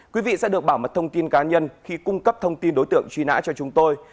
quý vị sẽ được bảo mật thông tin cá nhân khi cung cấp thông tin đối tượng truy nã cho chúng tôi